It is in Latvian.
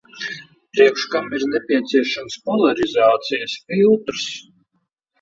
Priekš kam ir nepieciešams polarizācijas filtrs?